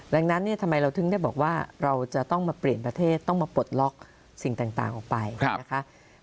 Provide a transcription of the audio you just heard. ดังนั้นเนี่ยทำไมเราถึงได้บอกว่าเราจะต้องมาเปลี่ยนประเทศต้องมาปลดล็อกสิ่งต่างออกไปนะคะ